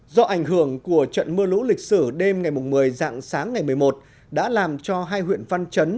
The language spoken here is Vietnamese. do ảnh hưởng của trận mưa lũ lịch sử đêm ngày một mươi dạng sáng ngày một mươi một đã làm cho hai huyện văn chấn